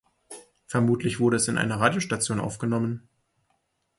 Vermutlich wurde es in einer Radiostation aufgenommen.